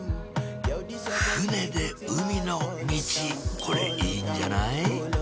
船で海のミチこれいいんじゃない？